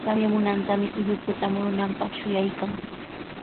Tamyamunantami ullukuta murunanpaq shuyaykan.